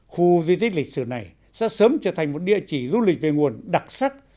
khu di tích lịch sử này sẽ sớm trở thành một địa chỉ du lịch về nguồn đặc sắc